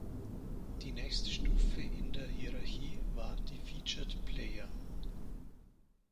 Die nächste Stufe in der Hierarchie waren die "featured player".